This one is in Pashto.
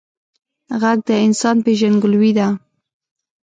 غږ د انسان پیژندګلوي ده